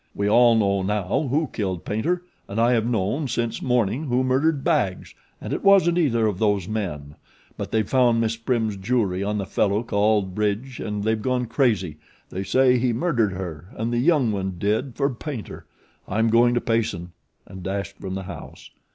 We all know now who killed Paynter and I have known since morning who murdered Baggs, and it wasn't either of those men; but they've found Miss Prim's jewelry on the fellow called Bridge and they've gone crazy they say he murdered her and the young one did for Paynter. I'm going to Payson," and dashed from the house.